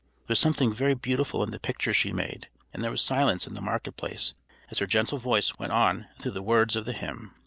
There was something very beautiful in the picture she made, and there was silence in the market place as her gentle voice went on through the words of the hymn.